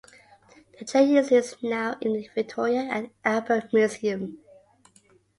The chair used is now in the Victoria and Albert Museum.